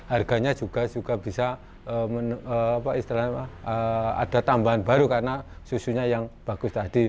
harganya juga bisa ada tambahan baru karena susunya yang bagus tadi